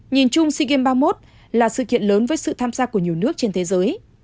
nhìn chung sea games ba mươi một là sự kiện lớn với sự tham gia của nhiều nước trên thế giới